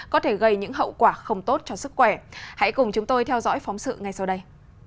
có thể gây những hậu quả không tốt cho sức khỏe hãy cùng chúng tôi theo dõi phóng sự ngay sau đây